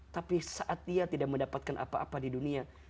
tapi saat dia tidak mendapatkan apa apa di dunia